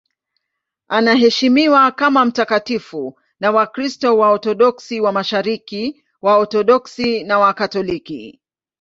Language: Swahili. Anaheshimiwa kama mtakatifu na Wakristo Waorthodoksi wa Mashariki, Waorthodoksi na Wakatoliki.